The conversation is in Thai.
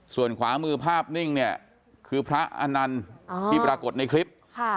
ส่วนขวามือภาพนิ่งเนี่ยคือพระอนันต์ที่ปรากฏในคลิป